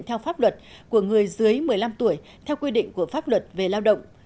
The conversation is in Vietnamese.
theo pháp luật của người dưới một mươi năm tuổi theo quy định của pháp luật về lao động